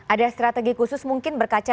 ada strategi khusus mungkin berkaca